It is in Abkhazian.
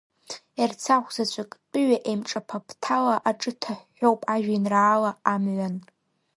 Ерцахә заҵәык, тәыҩа-еимҿаԥа, ԥҭала аҿы ҭаҳәҳәоуп ажәеинраала Амҩан…